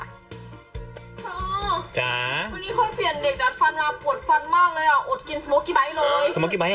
เธอจ๋าวันนี้เขาเปลี่ยนเด็กดัดฟันมาปวดฟันมากเลยอ่ะอดกินสโมกี้ไบท์เลย